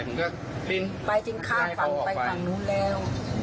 ผมก็พิ้นไปจริงข้างไปข้างนู้นแล้ว